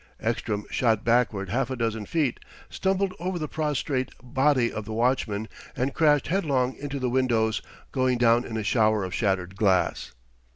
Ekstrom shot backward half a dozen feet, stumbled over the prostrate body of the watchman, and crashed headlong into the windows, going down in a shower of shattered glass.